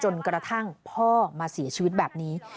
กระทั่งพ่อมาเสียชีวิตแบบนี้